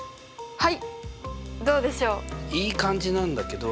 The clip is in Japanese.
はい。